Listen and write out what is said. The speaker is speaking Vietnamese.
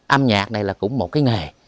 âm nhạc này là cũng một cái nghề